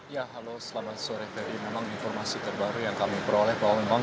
ya halo selamat sore ri memang informasi terbaru yang kami peroleh